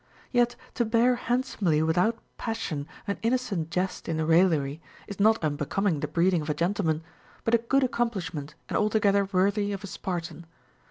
Yet to bear handsomely without passion an in nocent jest in raillery is not unbecoming the breeding of a gentleman, but a good accomplishment and altogether Avorthy of a Spartan.